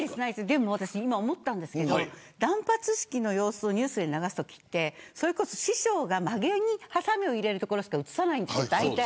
でも今、思ったんですけど断髪式をニュースに流すときって師匠がまげにはさみを入れるところしか映さないんです。